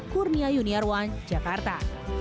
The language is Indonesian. kurnia junior one jakarta